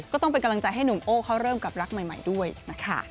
ก็ต้องเป็นกำลังใจให้หนุ่มโอ้เขาเริ่มกับรักใหม่ด้วยนะคะ